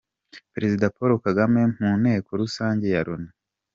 Perezida Pauk Kagame mu nteko rusange ya Loni